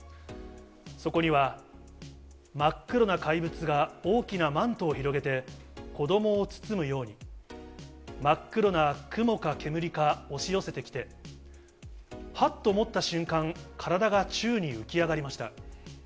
そこには、真っ黒な怪物が大きなマントを広げて、子どもを包むように、真っ黒な雲か煙か押し寄せてきて、はっと思った瞬間、体が宙に浮き上がりました。